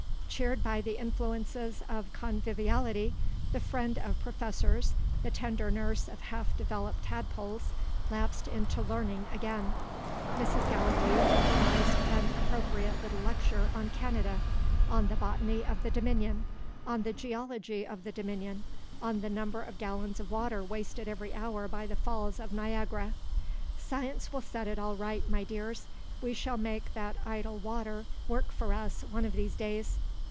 Cheered by the influences of conviviality, the friend of Professors, the tender nurse of half developed tadpoles, lapsed into learning again. Mrs. Gallilee improvised an appropriate little lecture on Canada on the botany of the Dominion; on the geology of the Dominion; on the number of gallons of water wasted every hour by the falls of Niagara. "Science will set it all right, my dears; we shall make that idle water work for us, one of these days.